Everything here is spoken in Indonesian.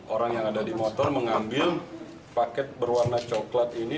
orang yang ada di motor mengambil paket berwarna coklat ini